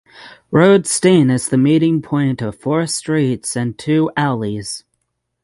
Roode Steen is the meeting point of four streets and two alleys.